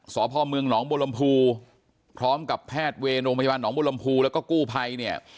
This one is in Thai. สพเมืองหนองบรมภูพร้อมกับแพทย์เวรโรงพยาบาลหนองบุรมภูแล้วก็กู้ภัยเนี่ย